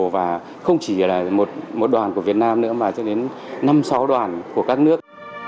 và không chỉ là một đoàn của việt nam nữa mà cho đến năm sáu đoàn của các nước